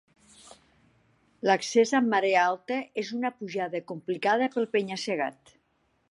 L'accés amb marea alta és una pujada complicada pel penya-segat.